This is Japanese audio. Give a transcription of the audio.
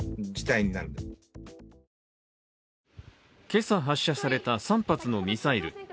今朝発射された３発のミサイル。